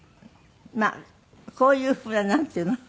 まあこういうふうななんていうの？